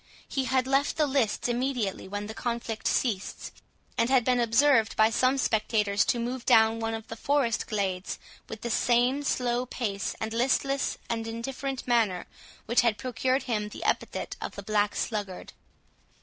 He had left the lists immediately when the conflict ceased, and had been observed by some spectators to move down one of the forest glades with the same slow pace and listless and indifferent manner which had procured him the epithet of the Black Sluggard.